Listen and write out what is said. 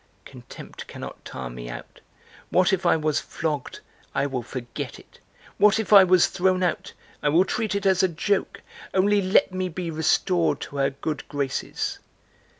Contempt cannot tire me out: what if I was flogged; I will forget it! What if I was thrown out! I will treat it as a joke! Only let me be restored to her good graces!